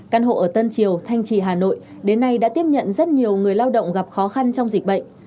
căn hộ ở tân triều thanh trì hà nội đến nay đã tiếp nhận rất nhiều người lao động gặp khó khăn trong dịch bệnh